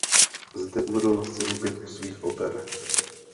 Zde uvedl na scénu pět svých oper.